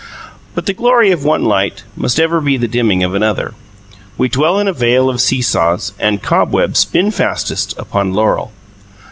But the glory of one light must ever be the dimming of another. We dwell in a vale of seesaws and cobwebs spin fastest upon laurel.